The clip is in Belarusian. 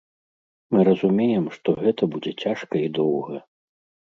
Мы разумеем, што гэта будзе цяжка і доўга.